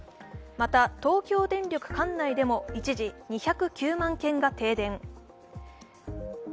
また、東京電力管内でも一時２０９万軒が停電。